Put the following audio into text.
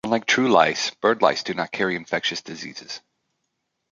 Unlike true lice, bird lice do not carry infectious diseases.